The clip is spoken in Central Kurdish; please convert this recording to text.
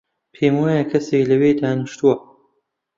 پێم وایە کەسێک لەوێ دانیشتووە.